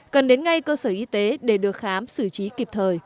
cần đến ngay cơ sở y tế để được khám xử trí kịp thời